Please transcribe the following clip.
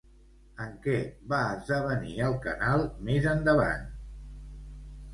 En què va esdevenir el canal més endavant?